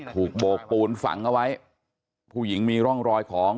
โบกปูนฝังเอาไว้ผู้หญิงมีร่องรอยของ